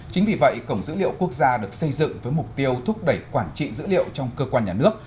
chính vì vậy cổng dữ liệu quốc gia được xây dựng với mục tiêu thúc đẩy quản trị dữ liệu trong cơ quan nhà nước